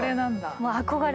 もう憧れ。